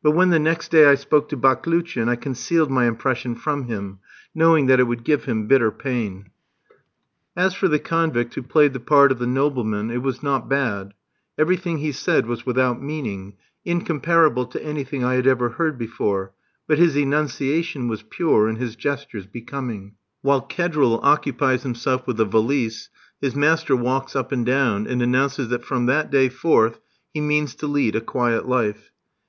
But when the next day I spoke to Baklouchin I concealed my impression from him, knowing that it would give him bitter pain. As for the convict who played the part of the nobleman, it was not bad. Everything he said was without meaning, incomparable to anything I had ever heard before; but his enunciation was pure and his gestures becoming. While Kedril occupies himself with the valise, his master walks up and down, and announces that from that day forth he means to lead a quiet life.